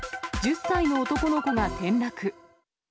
１０歳の男の子が転落。